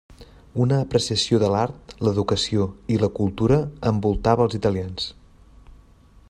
Una apreciació de l'art, l'educació, i la cultura envoltava els italians.